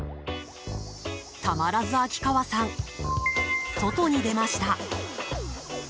たまらず秋川さん、外に出ました。